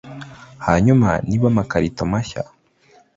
hanyuma, niba amakarito mashya